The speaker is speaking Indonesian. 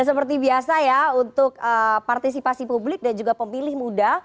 seperti biasa ya untuk partisipasi publik dan juga pemilih muda